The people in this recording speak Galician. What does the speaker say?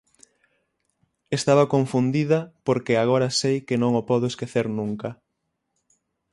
Estaba confundida porque agora sei que non o podo esquecer nunca.